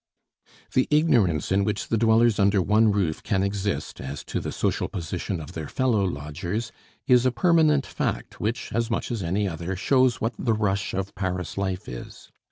The ignorance in which the dwellers under one roof can exist as to the social position of their fellow lodgers is a permanent fact which, as much as any other, shows what the rush of Paris life is.